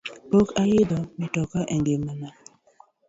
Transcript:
Pok ayidho mitoka e ngima na